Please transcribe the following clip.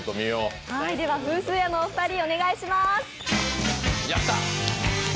ではフースーヤのお二人お願いします。